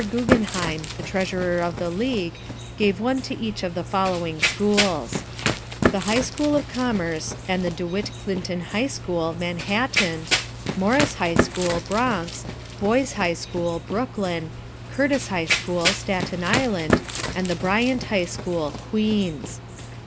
Guggenheim, the treasurer of the league, gave one to each of the following schools: The High School of Commerce and the De Witt Clinton High School (Manhattan), Morris High School (Bronx), Boys' High School (Brooklyn), Curtis High School (Staten Island), and the Bryant High School (Queens).